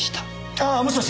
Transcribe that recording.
ああもしもし？